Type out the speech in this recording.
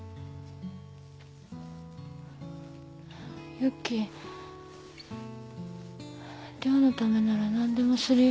由紀涼のためなら何でもするよ。